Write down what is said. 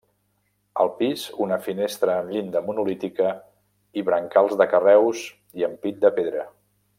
Al pis una finestra amb llinda monolítica i brancals de carreus i ampit de pedra.